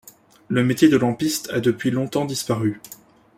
Le métier de lampiste a depuis longtemps disparu.